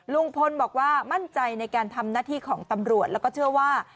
ลุงพลบอกว่ามั่นใจในการทำหน้าที่ของตำรวจแล้วก็เชื่อว่า